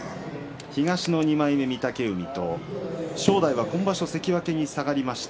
東の２枚目御嶽海と正代は今場所関脇に下がりました。